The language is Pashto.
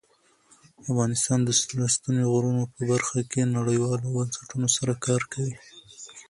افغانستان د ستوني غرونه په برخه کې نړیوالو بنسټونو سره کار کوي.